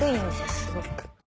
すごく。